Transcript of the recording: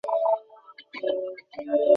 তারা স্ত্রীলোকটির স্বামীকে দরজার কাছে পেল।